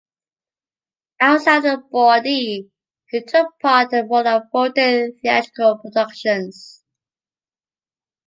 Outside of the Bordée, he took part in more than forty theatrical productions.